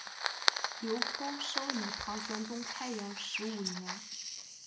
刘怦生于唐玄宗开元十五年。